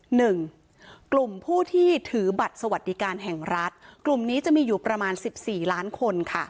หนึ่งกลุ่มผู้ที่ถือบัตรสวัสดิการแห่งรัฐกลุ่มนี้จะมีอยู่ประมาณสิบสี่ล้านคนค่ะ